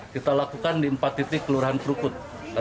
kita lakukan di empat titik kelurahan krukut